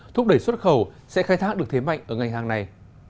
thúc đẩy xuất khẩu sẽ khai thác được thế mạnh ở ngành hàng này